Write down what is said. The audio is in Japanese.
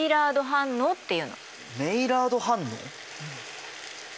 メイラード反応？